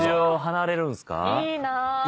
いいな。